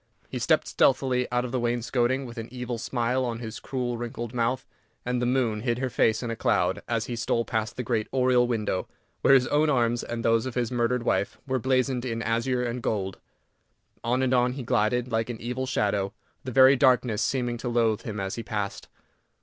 He stepped stealthily out of the wainscoting, with an evil smile on his cruel, wrinkled mouth, and the moon hid her face in a cloud as he stole past the great oriel window, where his own arms and those of his murdered wife were blazoned in azure and gold. On and on he glided, like an evil shadow, the very darkness seeming to loathe him as he passed.